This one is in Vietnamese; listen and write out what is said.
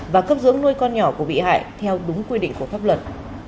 và cấp dưỡng nuôi con nhỏ của bị hại theo đúng quy định của pháp luật